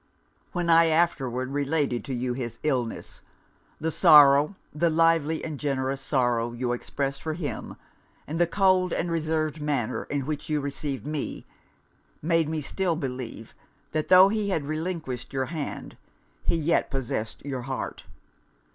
'When I afterwards related to you his illness; the sorrow, the lively and generous sorrow, you expressed for him, and the cold and reserved manner in which you received me, made me still believe, that tho' he had relinquished your hand he yet possessed your heart.